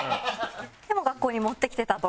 でも学校に持ってきてたと。